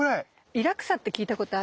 イラクサって聞いたことある？